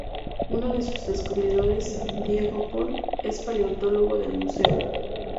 Uno de sus descubridores, Diego Pol, es paleontólogo del museo.